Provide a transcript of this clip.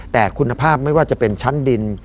แต่คุณภาพไม่ว่าจะเป็นชั้นดิน